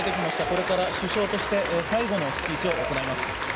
これから首相として最後のスピーチを行います。